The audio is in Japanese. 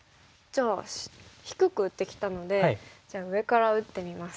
じゃあ低く打ってきたので上から打ってみます。